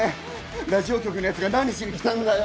ラジオ局の奴が何しに来たんだよ？